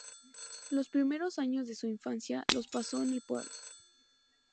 Los primeros años de su infancia los pasó en el pueblo.